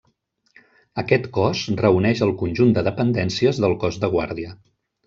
Aquest cos reuneix el conjunt de dependències del cos de guàrdia.